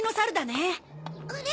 あれ？